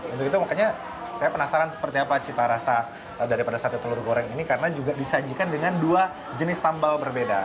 untuk itu makanya saya penasaran seperti apa cita rasa daripada sate telur goreng ini karena juga disajikan dengan dua jenis sambal berbeda